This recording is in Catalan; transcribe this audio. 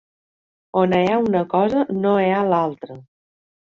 On hi ha una cosa, no hi ha l’altra.